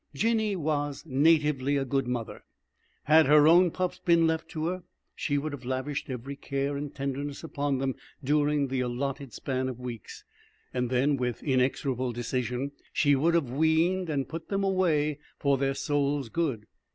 Jinny was natively a good mother. Had her own pups been left to her, she would have lavished every care and tenderness upon them during the allotted span of weeks, and then, with inexorable decision, she would have weaned and put them away for their souls' good.